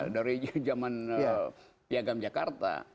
dari zaman piagam jakarta